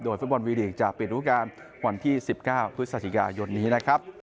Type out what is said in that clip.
โดยฟุตบอลวีลีกซ์จะปิดลูกการวันที่๑๙ทุศศิกายนนี้นะครับ